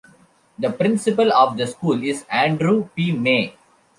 The principal of the school is Andrew P. Mey.